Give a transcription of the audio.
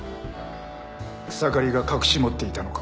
草刈が隠し持っていたのか？